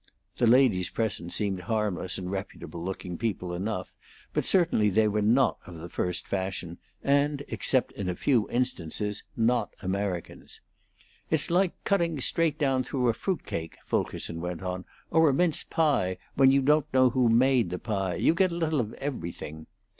The ladies present seemed harmless and reputable looking people enough, but certainly they were not of the first fashion, and, except in a few instances, not Americans. "It's like cutting straight down through a fruitcake," Fulkerson went on, "or a mince pie, when you don't know who made the pie; you get a little of everything."